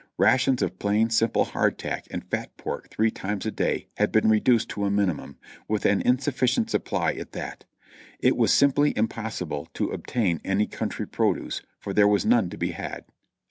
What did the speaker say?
Rations of plain, simple hardtack and fat pork three times a day had been reduced to a minimum, with an insufficient supply at that. It was simply impossible to obtain any country produce, for there was none to be had.